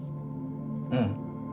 うん。